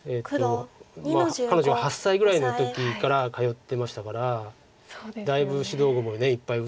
彼女が８歳ぐらいの時から通ってましたからだいぶ指導碁もいっぱい打ったと思うんですけど。